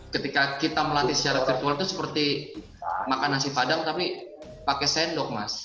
ketika kita melatih secara virtual itu seperti makan nasi padam tapi pakai sendok mas